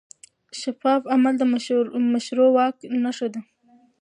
شفاف عمل د مشروع واک نښه ده.